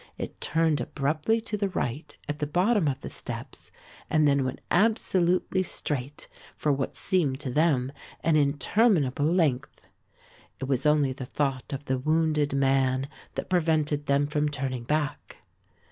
It turned abruptly to the right at the bottom of the steps and then went absolutely straight for what seemed to them an interminable length. It was only the thought of the wounded man that prevented them from turning back.